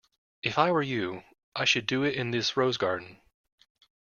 If I were you, I should do it in this rose garden.